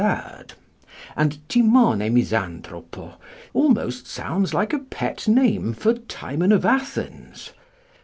_; and Timone Misantropo almost sounds like a pet name for Timon of Athens.